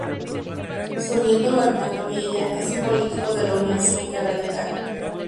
Su nieto Bernardo Biella es un político de la Unión Cívica Radical.